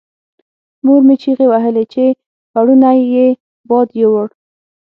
مور مې چیغې وهلې چې پوړونی یې باد یووړ.